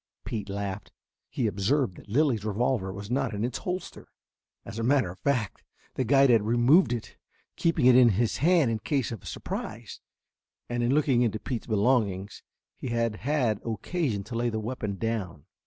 Pete laughed. He observed that Lilly's revolver was not in its holster. As a matter of fact, the guide had removed it, keeping it in his hand in case of a surprise, and in looking into Pete's belongings he had had occasion to lay the weapon down.